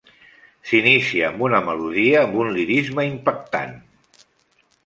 S'inicia amb una melodia amb un lirisme impactant.